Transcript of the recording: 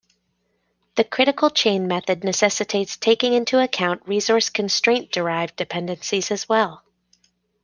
The critical chain method necessitates taking into account resource constraint-derived dependencies as well.